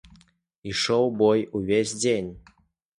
Ішоў бой увесь дзень.